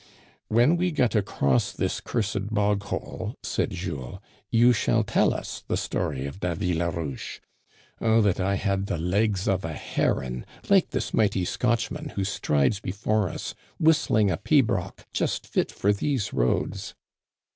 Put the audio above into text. "When we get across this cursed boghole," said Jules, "you shall tell us the story of Davy Larouche. Oh, that I had the legs of a heron, like this haughty Scotchman who strides before us whistling a pibroch just fit for these roads."